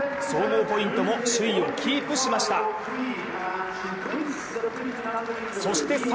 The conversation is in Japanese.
総合ポイントも首位をキープしました。